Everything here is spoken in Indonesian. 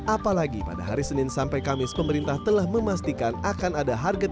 apalagi pada hari senin sampai kamis pemerintah telah memastikan akan ada harga tiket